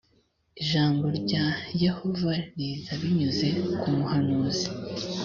ijambo rya yehova riza binyuze ku muhanuzi .